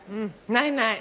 ないない。